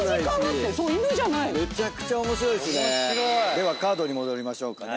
ではカードに戻りましょうかね。